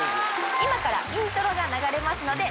今からイントロが流れますので。